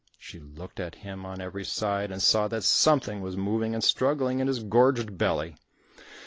She looked at him on every side and saw that something was moving and struggling in his gorged belly.